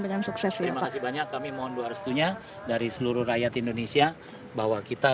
dengan sukses terima kasih banyak kami mohon doa restunya dari seluruh rakyat indonesia bahwa kita